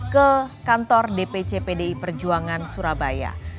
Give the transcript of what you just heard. ke kantor dpc pdi perjuangan surabaya